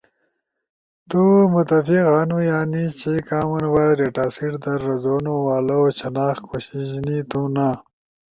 تو متفق ہنو یا نیش چی کامن وائس ڈیٹاسیٹ در رزونو والؤ شناخت کوشش نی تھونا۔